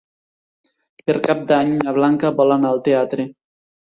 Per Cap d'Any na Blanca vol anar al teatre.